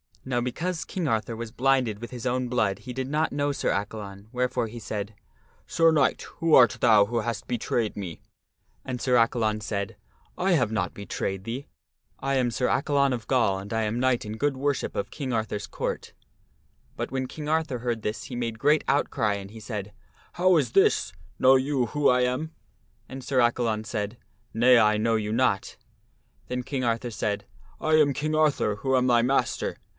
Now because King Arthur was blinded with his own blood he did not know Sir Accalon, wherefore he said, " Sir Knight, who art thou who hast betrayed me ?" And Sir Accalon said, " I have not betrayed thee. I am VIVIEN CURES KING ARTHUR'S WOUNDS 197 Sir Accalon of Gaul and I am knight in good worship of King Arthur's Court." But when King Arthur heard this he made great outcry and he said, " How is this? Know you who I am?" And Sir Accalon said, "Nay, I know you not." Then King Arthur said, " I arn King Arthur who am thy master."